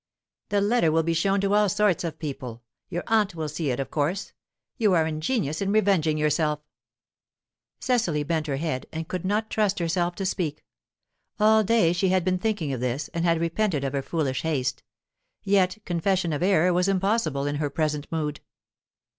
"The letter will be shown to all sorts of people. Your aunt will see it, of course. You are ingenious in revenging yourself." Cecily bent her head, and could not trust herself to speak. All day she had been thinking of this, and had repented of her foolish haste. Yet confession of error was impossible in her present mood.